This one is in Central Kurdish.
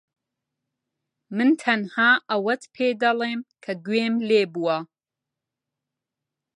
من تەنها ئەوەت پێدەڵێم کە گوێم لێ بووە.